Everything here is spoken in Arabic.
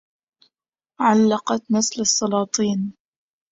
عَلَّقَتْ نسل السلاطين